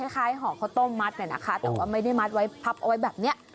ห่อข้าวต้มมัดเนี่ยนะคะแต่ว่าไม่ได้มัดไว้พับเอาไว้แบบนี้